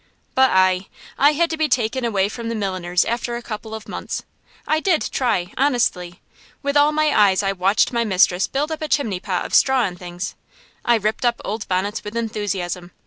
But I I had to be taken away from the milliner's after a couple of months. I did try, honestly. With all my eyes I watched my mistress build up a chimney pot of straw and things. I ripped up old bonnets with enthusiasm.